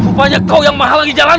rupanya kau yang mahal lagi jalan